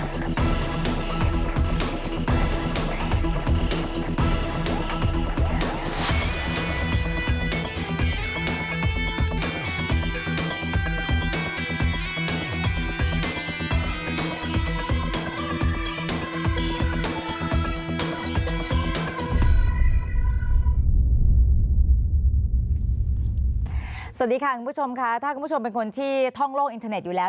สวัสดีค่ะคุณผู้ชมค่ะถ้าคุณผู้ชมเป็นคนที่ท่องโลกอินเทอร์เน็ตอยู่แล้ว